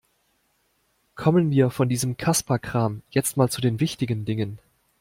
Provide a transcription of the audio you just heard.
Kommen wir von diesem Kasperkram jetzt mal zu den wichtigen Dingen.